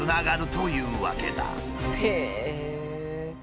へえ！